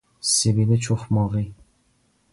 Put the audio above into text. سبیل چخماقی